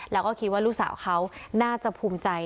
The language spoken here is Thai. แล้วก็คิดว่าลูกสาวเขาน่าจะภูมิใจ